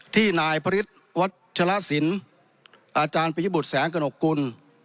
ที่นายพระฤทธิ์วัชลสินอาจารย์ปริยบุตรแสงกระหนกกุล